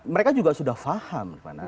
mereka juga sudah paham